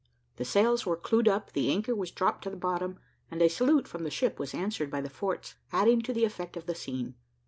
The sails were clewed up, the anchor was dropped to the bottom, and a salute from the ship was answered by the forts, adding to the effect of the scene.